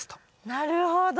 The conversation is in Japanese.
なるほど。